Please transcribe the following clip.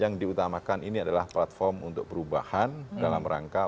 yang diutamakan ini adalah platform untuk perubahan dalam rangka